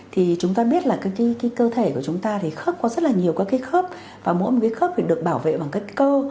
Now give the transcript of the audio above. thì chúng ta biết là cái cơ thể của chúng ta thì khớp có rất là nhiều các cái khớp và mỗi một cái khớp phải được bảo vệ bằng cách cơ